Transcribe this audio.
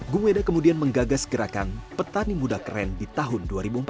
gung weda kemudian menggagas gerakan petani muda keren di tahun dua ribu empat belas